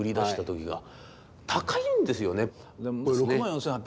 高いんですよね。